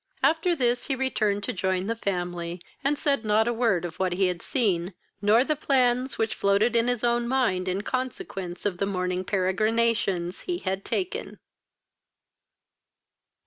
After this he returned to join the family, and said not a word of what he had seen, nor the plans which floated in his own mind, in consequence of the morning peregrinations he had taken.